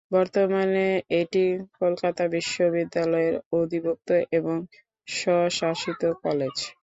বর্তমানে এটি কলকাতা বিশ্ববিদ্যালয়ের অধিভুক্ত একটি স্বশাসিত কলেজ।